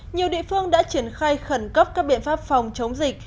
nhiều địa phương đã triển khai khẩn cấp các biện pháp phòng chống dịch